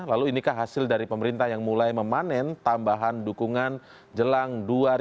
lalu inikah hasil dari pemerintah yang mulai memanen tambahan dukungan jelang dua ribu dua puluh